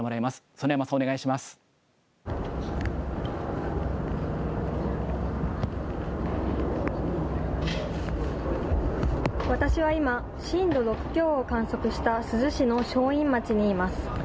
園山さん、私は今、震度６強を観測した珠洲市の正院町にいます。